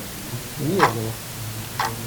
Oui, et alors?